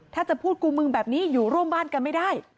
ถ้าจะพูดกูมึงแบบนี้อยู่ร่วมบ้านกันไม่ได้